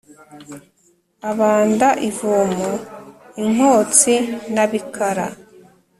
abanda ivomo i nkotsi na bikara